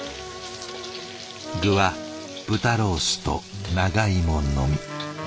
具は豚ロースと長芋のみ。